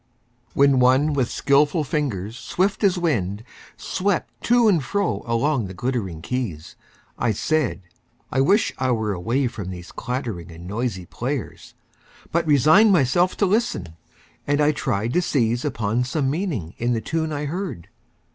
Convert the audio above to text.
WHEN one with skillful fingers swift as wind Swept to and fro along the glittering keys, I said: I wish I were away from these Clattering and noisy players! but resigned Myself to listen, and I tried to seize Upon some meaning in the tune I heard.